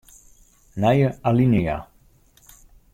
Nije alinea.